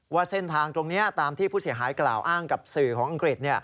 ว่าเส้นทางตรงนี้ตามที่ผู้เสียหายกล่าวอ้างกับสื่อของอังกฤษ